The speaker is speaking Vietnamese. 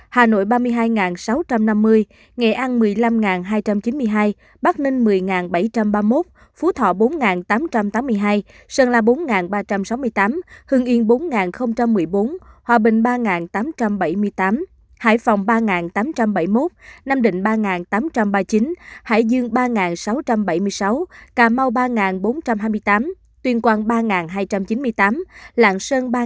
hà nội ba mươi hai sáu trăm năm mươi nghệ an một mươi năm hai trăm chín mươi hai bắc ninh một mươi bảy trăm ba mươi một phú thọ bốn tám trăm tám mươi hai sơn la bốn ba trăm sáu mươi tám hương yên bốn một mươi bốn hòa bình ba tám trăm bảy mươi tám hải phòng ba tám trăm bảy mươi một năm định ba tám trăm ba mươi chín hải dương ba sáu trăm bảy mươi sáu cà mau ba bốn trăm hai mươi tám tuyền quang ba hai trăm chín mươi